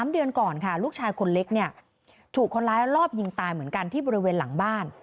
๓เดือนก่อนค่ะลูกชายคนเล็กเนี่ยถูกคนร้ายรอบยิงตายเหมือนกันที่บริเวณหลังบ้าน